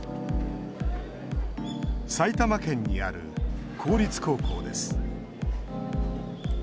埼玉県にある公立高校です。